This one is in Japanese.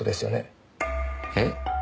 えっ？